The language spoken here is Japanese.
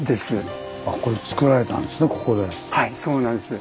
はいそうなんです。